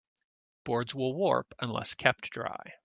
Boards will warp unless kept dry.